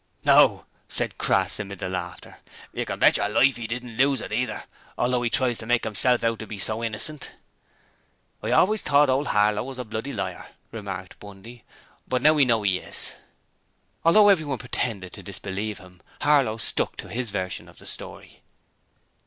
'No,' said Crass amid laughter, 'and you can bet your life 'e didn't lose it neither, although 'e tries to make 'imself out to be so innocent.' 'I always though old Harlow was a bl y liar,' remarked Bundy, 'but now we knows 'e is.' Although everyone pretended to disbelieve him, Harlow stuck to his version of the story.